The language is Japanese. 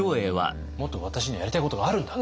「もっと私にはやりたいことがあるんだ」と。